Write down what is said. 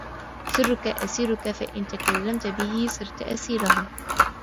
سِرُّك أَسِيرُك فَإِنْ تَكَلَّمْت بِهِ صِرْت أَسِيرَهُ